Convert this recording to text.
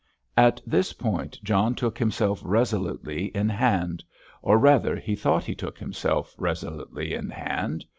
At this point John took himself resolutely in hand—or, rather, he thought he took himself resolutely in hand.